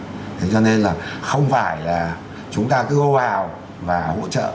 thế cho nên là không phải là chúng ta cứ w vào và hỗ trợ